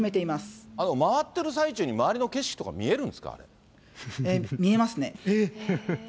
回ってる最中に、周りの景色とか、見えるんですか、見えますね。